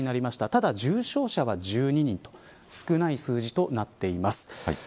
ただ、重症者は１２人と少ない数字となっています。